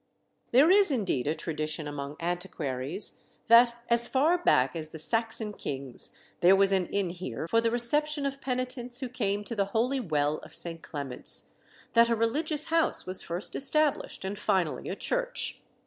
There is, indeed, a tradition among antiquaries, that as far back as the Saxon kings there was an inn here for the reception of penitents who came to the Holy Well of St. Clement's; that a religious house was first established, and finally a church.